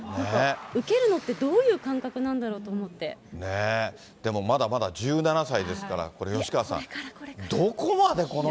受けるのって、どういう感覚なんでも、まだまだ１７歳ですから、これ、吉川さん、すごいですね。